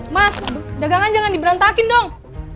mas dagangan jangan diberontakin dong